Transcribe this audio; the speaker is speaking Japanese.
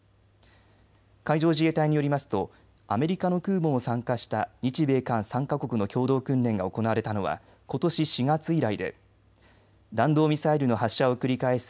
海上自衛隊によりますとアメリカの空母も参加した日米韓３か国の共同訓練が行われたのは、ことし４月以来で弾道ミサイルの発射を繰り返す